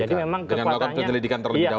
dengan melakukan penyelidikan terlebih dahulu